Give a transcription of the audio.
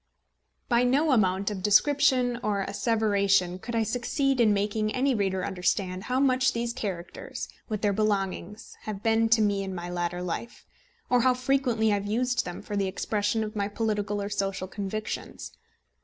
By no amount of description or asseveration could I succeed in making any reader understand how much these characters with their belongings have been to me in my latter life; or how frequently I have used them for the expression of my political or social convictions.